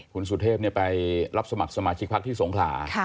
คุณสุเทพไปรับสมัครสมาชิกพักที่สงขลา